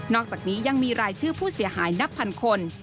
อกจากนี้ยังมีรายชื่อผู้เสียหายนับพันคน